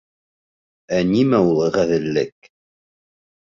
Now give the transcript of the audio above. Ә нимә ул ғәҙеллек?